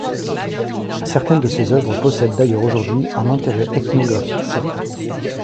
Certaines de ses œuvres possèdent d’ailleurs aujourd’hui un intérêt ethnographique certain.